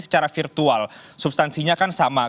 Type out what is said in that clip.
secara virtual substansinya kan sama